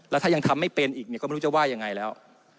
แล้วถ้ายังทำไม่เป็นอีกเนี่ยก็ไม่รู้จะว่ายังไงแล้ว